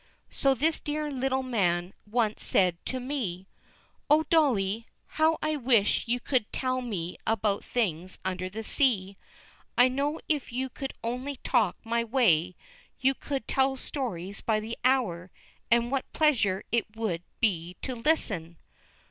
So this dear little man once said to me: "Oh, Dolly, how I wish you could tell me about things under the sea! I know if you could only talk my way, you could tell stories by the hour, and what pleasure it would be to listen."